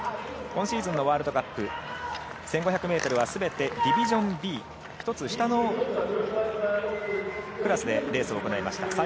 今シーズンのワールドカップ１５００ｍは全てディビジョンＢ、１つ下のクラスでレースを行いました。